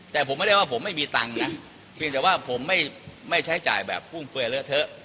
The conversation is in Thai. แต่ผมไม่ได้ว่าผมไม่มีตังค์นะเพียงแต่ว่าผมไม่ใช้จ่ายแบบฟุ่มเฟือยเลอะเทอะ